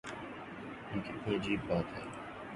یہ کتنی عجیب بات ہے۔